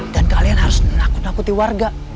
dan kalian harus takut takuti warga